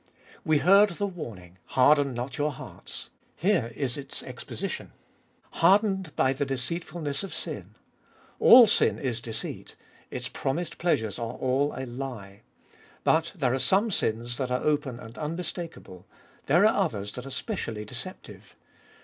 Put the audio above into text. We heard the warning, Harden not your hearts. Here is its exposition, Hardened by the deceit fulness of sin. All sin is deceit, its promised pleasures are all a lie. But there are some sins that are open and unmistakable. There are others that are specially deceptive.